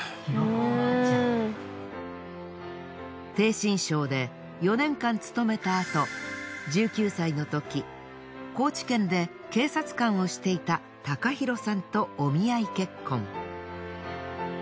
逓信省で４年間勤めたあと１９歳の時高知県で警察官をしていた敬広さんとお見合い結婚。